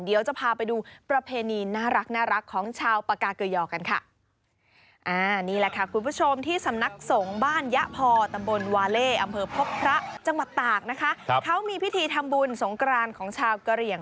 เดี๋ยวจะพาไปดูประเพณีน่ารักของชาวปากาเกยอกันค่ะ